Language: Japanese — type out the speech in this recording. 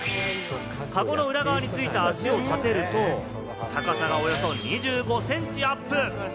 カゴの裏側に付いた足を立てると、高さがおよそ２５センチアップ。